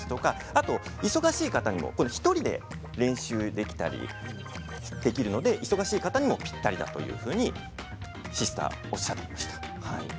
あと忙しい方にも１人で練習できたりできるので忙しい方にもぴったりだとシスター、おっしゃっていました。